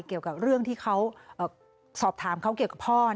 เกี่ยวกับเรื่องที่เขาสอบถามเขาเกี่ยวกับพ่อ